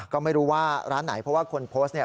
ก็ไม่รู้ว่าร้านไหนเพราะว่าคนโพสต์เนี่ย